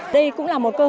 đây cũng là một lễ hội hoa